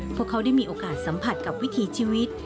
พวกเขาได้มีโอกาสสัมผัสกับวิถีชีวิต